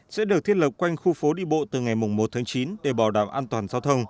sẽ được thiết lập quanh khu phố đi bộ từ ngày một tháng chín để bảo đảm an toàn giao thông